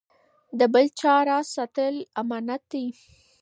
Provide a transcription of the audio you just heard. د بل چا راز ساتل امانت دی.